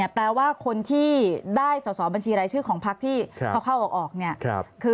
แปลว่าคนที่ได้สอสอบัญชีรายชื่อของพักที่เขาเข้าออกเนี่ย